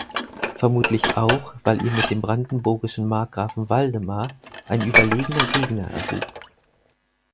Vermutlich auch weil ihm mit dem brandenburgischen Markgrafen Waldemar, ein überlegener Gegner erwuchs.